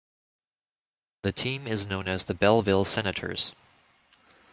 The team is known as the Belleville Senators.